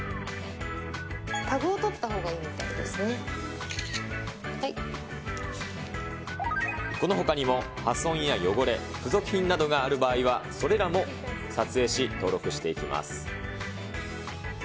タグを撮ったほうがいいみたこのほかにも、破損や汚れ、付属品などがある場合は、それらも撮影し、登録していきます。